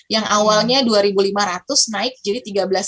yang awalnya dua lima ratus naik jadi tiga belas